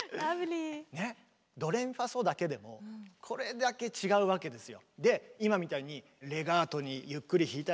ドレミファソだけでもこれだけ違うわけですよ。